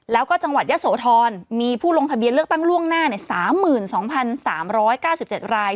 แล้วก็จังหวัดยะโสธรมีผู้ลงทะเบียนเลือกตั้งล่วงหน้า๓๒๓๙๗ราย